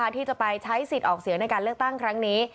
ที่จะไปใช้สิทธิ์ออกเสียงในการเลือกตั้งครั้งนี้